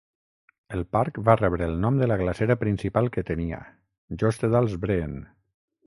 El parc va rebre el nom de la glacera principal que tenia, Jostedalsbreen.